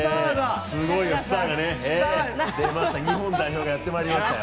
日本代表がやってきました。